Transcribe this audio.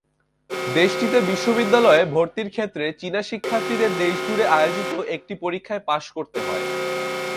দেশটিতে বিশ্ববিদ্যালয়ে ভর্তির ক্ষেত্রে চীনা শিক্ষার্থীদের দেশজুড়ে আয়োজিত একটি পরীক্ষায় পাস করতে হয়।